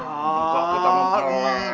enggak kita mau keluar